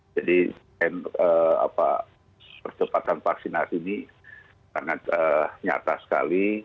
jadi percepatan vaksinasi ini sangat nyata sekali